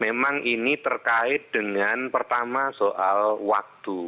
memang ini terkait dengan pertama soal waktu